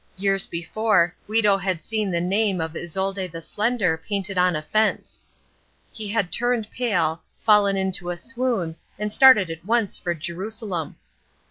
Years before, Guido had seen the name of Isolde the Slender painted on a fence. He had turned pale, fallen into a swoon and started at once for Jerusalem.